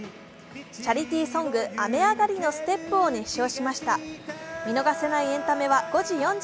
チャリティーソング「雨あがりのステップ」を熱唱しました。